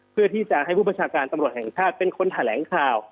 เพื่อที่จะให้ผู้ประชาการตำรวจแห่งชาติเป็นคนแถลงข่าว